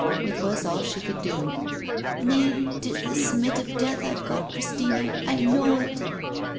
It was all she could do. "Nay, 'tis the smit of death I've got, Christina! I know it."